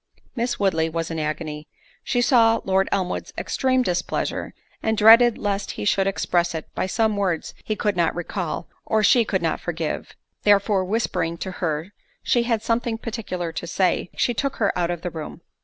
Miss Woodley was in agony—she saw Lord Elmwood's extreme displeasure, and dreaded lest he should express it by some words he could not recall, or she could not forgive—therefore, whispering to her she had something particular to say, she took her out of the room.